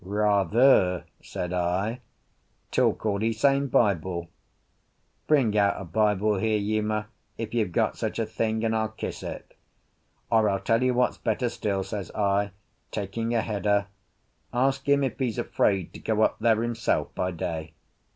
"Rather!" said I. "Talk all e same Bible. Bring out a Bible here, Uma, if you've got such a thing, and I'll kiss it. Or, I'll tell you what's better still," says I, taking a header, "ask him if he's afraid to go up there himself by day."